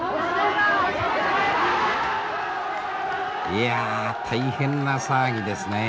いや大変な騒ぎですね。